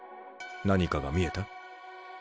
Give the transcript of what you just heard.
何かが見えた？